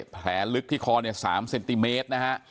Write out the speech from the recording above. แผลลึกที่คอเนี่ย๓เซนติเมตรนะฮะ